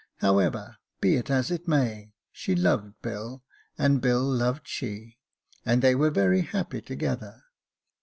However, be it as it may be, she loved Bill, and Bill loved she, and they were very happy together.